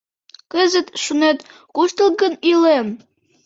— Кызыт, шонет, куштылгын илем?